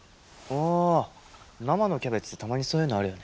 あ生のキャベツってたまにそういうのあるよね。